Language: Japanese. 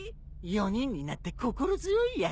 ４人になって心強いや。